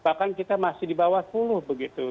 bahkan kita masih di bawah sepuluh begitu